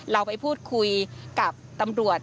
เราไปพูดคุยกับตำรวจ